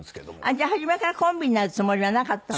じゃあ初めからコンビになるつもりはなかったの？